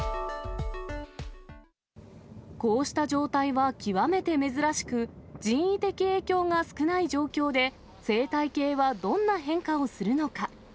こうした状態は極めて珍しく、人為的影響が少ない状況で、生態系はどんな変化をするのか。